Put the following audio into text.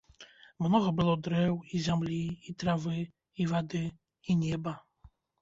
Многа было дрэў, і зямлі, і травы, і вады, і неба.